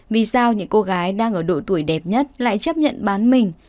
vì sao những cô gái đang ở độ tuổi đẹp nhất lại chấp nhận bán mình